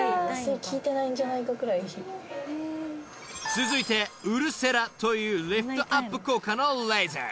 ［続いてウルセラというリフトアップ効果のレーザー］